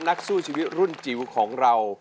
นักสู้ชีวิตรุ่นจิ๋วของเรา